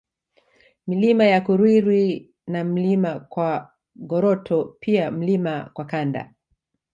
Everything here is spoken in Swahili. Milima ya Kurwirwi na Mlima Kwagoroto pia Mlima Kwakanda